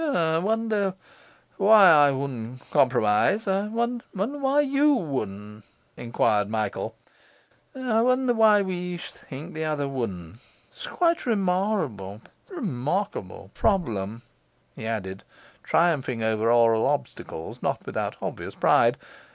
'I wonder why I wouldn' compromise? I wonder why YOU wouldn'?' enquired Michael. 'I wonder why we each think the other wouldn'? 'S quite a remarrable remarkable problem,' he added, triumphing over oral obstacles, not without obvious pride.